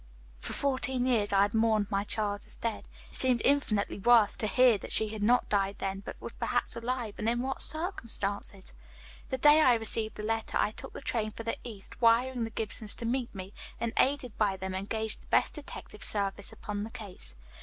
For fourteen years I had mourned my child as dead. It seemed infinitely worse to hear that she had not died then, but was perhaps alive, and in what circumstances? "The day I received the letter I took the train for the east, wiring the Gibsons to meet me, and aided by them engaged the best detective service upon the case.